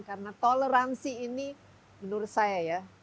karena toleransi ini menurut saya ya